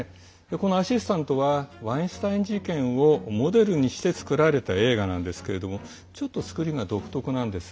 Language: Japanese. この「アシスタント」はワインスタイン事件をモデルにして作られた映画ですがちょっと、作りが独特なんです。